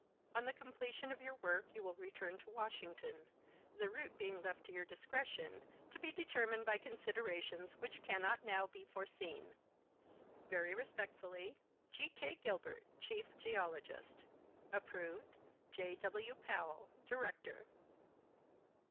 On the completion of (192) 3Ir. Kerr'^ Detail. 193 your work you will returu to Washington, the route being left to your dis cretion, to be determined by considerations which cannot now^ be foreseen Very respectfully, G. K. Gilbert, Chief Geologist. Approved, .. J. W. Powell, Director.